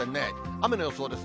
雨の予想です。